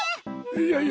いやいや